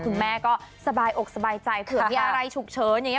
คุณแม่ก็สบายอกสบายใจเผื่อมีอะไรฉุกเฉินอย่างนี้